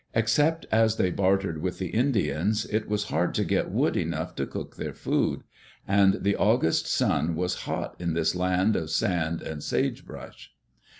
Except as they bartered with the Indians, it was hard to get wood enough to cook their food. And the August sun was hot in this land of sand and sagebrush.